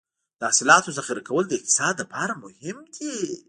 د حاصلاتو ذخیره کول د اقتصاد لپاره مهم دي.